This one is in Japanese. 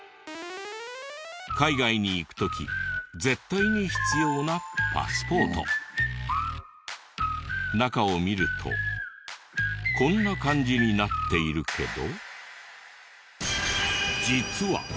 海外に行く時絶対に必要な中を見るとこんな感じになっているけど。